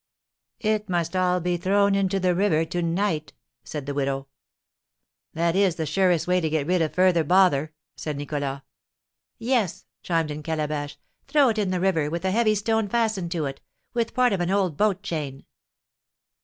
"It must all be thrown into the river to night," said the widow. "That is the surest way to get rid of further bother," said Nicholas. "Yes," chimed in Calabash, "throw it in the river, with a heavy stone fastened to it, with part of an old boat chain."